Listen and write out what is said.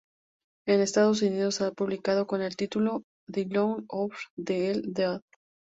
En Estados Unidos ha sido publicada con el título "The lord of the dead.